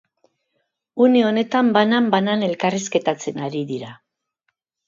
Une honetan banan-banan elkarrizketatzen ari dira.